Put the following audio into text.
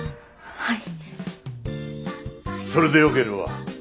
はい。